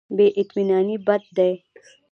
بې اطمیناني بد دی.